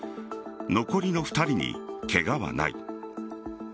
残りの２人にケガはない。